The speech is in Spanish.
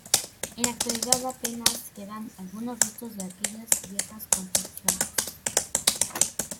En la actualidad apenas quedan algunos restos de aquellas viejas construcciones.